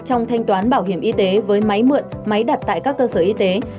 trong thanh toán bảo hiểm y tế với máy mượn máy đặt tại các cơ sở y tế